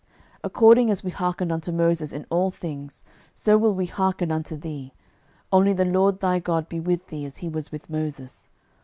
06:001:017 According as we hearkened unto Moses in all things, so will we hearken unto thee: only the LORD thy God be with thee, as he was with Moses.